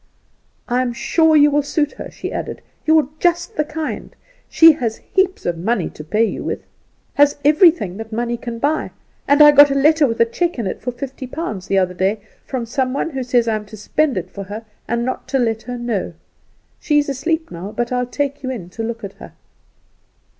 "I'm sure you will suit her," she added; "you're just the kind. She has heaps of money to pay you with; has everything that money can buy. And I got a letter with a check in it for fifty pounds the other day from some one, who says I'm to spend it for her, and not to let her know. She is asleep now, but I'll take you in to look at her."